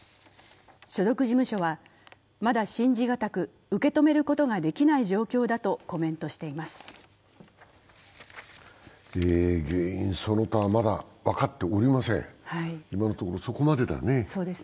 所属事務所は、まだ信じ難く、受け止めることができない状況だとコメントしています。